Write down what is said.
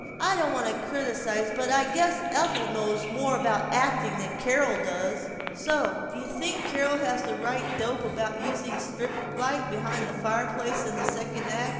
I don't want to criticize but I guess Ethel knows more about acting than Carol does!" "Say, do you think Carol has the right dope about using a strip light behind the fireplace in the second act?